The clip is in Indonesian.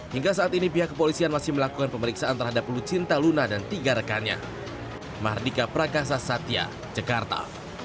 hingga saat ini pihak kepolisian masih melakukan pemeriksaan terhadap lucinta luna dan tiga rekannya